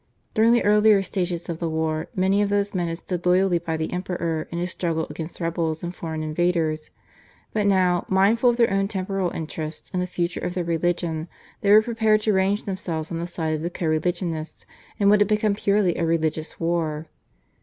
During the earlier stages of the war many of those men had stood loyally by the Emperor in his struggle against rebels and foreign invaders, but now, mindful of their own temporal interests and the future of their religion, they were prepared to range themselves on the side of their co religionists in what had become purely a religious war.